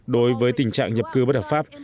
đối với tình trạng nhập cư bất hợp pháp